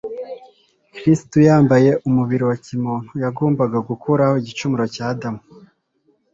Kristo yambaye umubiri wa kimuntu yagombaga gukuraho igicumuro cy'Adamu.